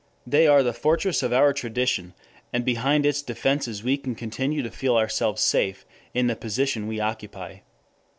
They are the fortress of our tradition, and behind its defenses we can continue to feel ourselves safe in the position we occupy.